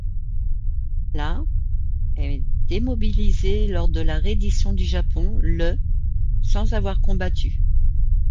La est démobilisée lors de la reddition du Japon le sans avoir combattu.